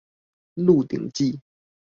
鹿鼎記